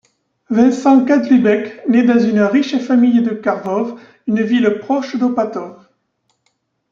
Vincent Kadlubek nait dans une riche famille de Karwów, une ville proche d'Opatów.